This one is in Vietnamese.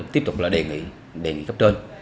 tiếp tục là địa phương